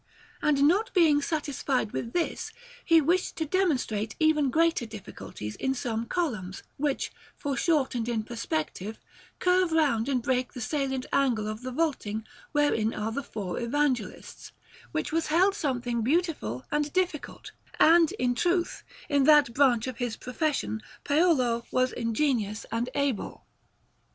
And not being satisfied with this, he wished to demonstrate even greater difficulties in some columns, which, foreshortened in perspective, curve round and break the salient angle of the vaulting wherein are the four Evangelists; which was held something beautiful and difficult, and, in truth, in that branch of his profession Paolo was ingenious and able.